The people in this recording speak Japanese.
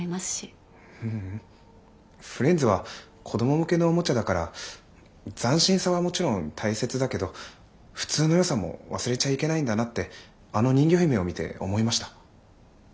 フレンズは子ども向けのおもちゃだから斬新さはもちろん大切だけど普通のよさも忘れちゃいけないんだなってあの人魚姫を見て思いました。